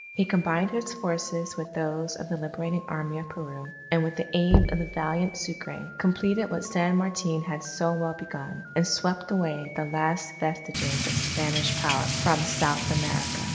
He combined his forces with those of the Liberating Army of Peru, and with the aid of the valiant Sucre, completed what San Martin had so well begun, and swept away the last vestiges of Spanish power from South America.